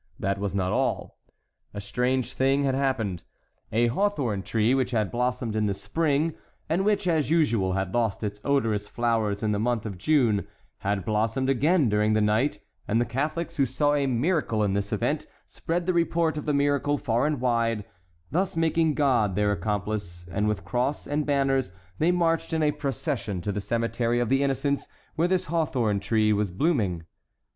This was not all. A strange thing had happened: a hawthorn tree, which had blossomed in the spring, and which, as usual, had lost its odorous flowers in the month of June, had blossomed again during the night, and the Catholics, who saw a miracle in this event, spread the report of the miracle far and wide, thus making God their accomplice; and with cross and banners they marched in a procession to the Cemetery of the Innocents, where this hawthorn tree was blooming.